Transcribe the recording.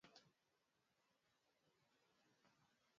Kina wakazi mia nne hamsini na saba tu